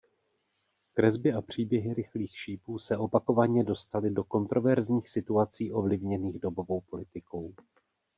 Kresby a příběhy Rychlých šípů se opakovaně dostaly do kontroverzních situací ovlivněných dobovou politikou.